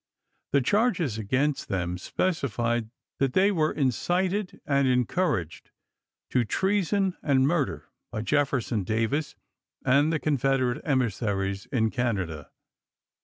The charges against them speci fied that they were " incited and encouraged " to treason and murder by Jefferson Davis and the Confederate emissaries in Canada.